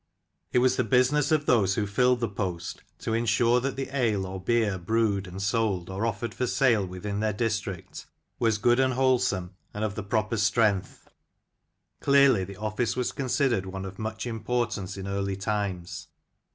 It was the business of those who filled the post to insure that the ale or beer brewed and sold or offered for sale within their district was good and wholesome and of the proper strength. Clearly the office was considered one of much importance in early times.